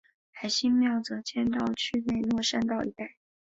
海心庙则迁到区内落山道一带。